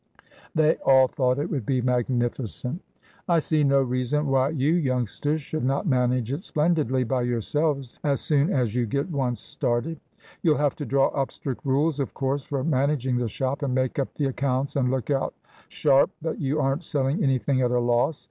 They all thought it would be magnificent. "I see no reason why you youngsters should not manage it splendidly by yourselves at soon as you get once started. You'll have to draw up strict rules, of course, for managing the shop, and make up the accounts; and look out sharp that you aren't selling anything at a loss.